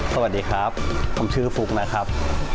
สวัสดีครับผมชื่อฟุ๊กนะครับ